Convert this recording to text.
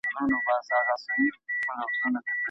ستونزي په وجود راوړي.